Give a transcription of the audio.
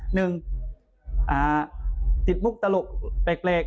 หนึ่งติดมุกตลกแปลก